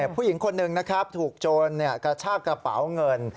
ผู้หญิงคนหนึ่งนะครับถูกโจรกระชากระเป๋าเงิน